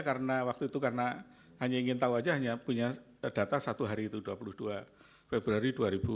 karena waktu itu hanya ingin tahu saja hanya punya data satu hari itu dua puluh dua februari dua ribu dua puluh empat